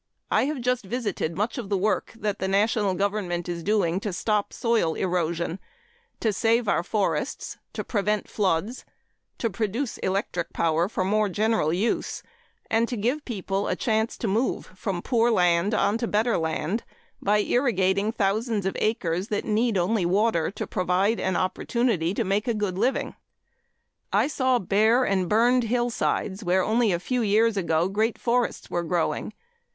I have just visited much of the work that the national government is doing to stop soil erosion, to save our forests, to prevent floods, to produce electric power for more general use, and to give people a chance to move from poor land on to better land by irrigating thousands of acres that need only water to provide an opportunity to make a good living. I saw bare and burned hillsides where only a few years ago great forests were growing.